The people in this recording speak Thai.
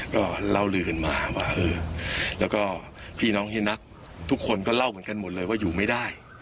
ก็เล่าลือกันมาว่าเออแล้วก็พี่น้องเฮียนัททุกคนก็เล่าเหมือนกันหมดเลยว่าอยู่ไม่ได้